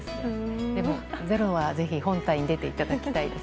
「ｚｅｒｏ」はぜひ本体に出ていただきたいです。